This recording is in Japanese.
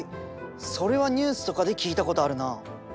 それはニュースとかで聞いたことあるなあ。